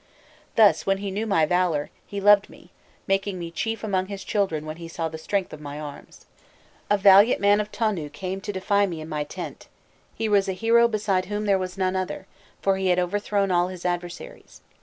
Thus, when he knew my valour, he loved me, making me chief among his children when he saw the strength of my arms. "A valiant man of Tonu came to defy me in my tent; he was a hero beside whom there was none other, for he had overthrown all his adversaries.